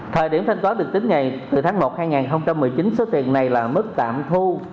thời điểm thanh toán được tính ngày từ tháng một hai nghìn một mươi chín số tiền này là mức tạm thu